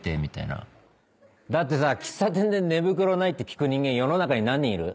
だってさ喫茶店で寝袋ない？って聞く人間世の中に何人いる？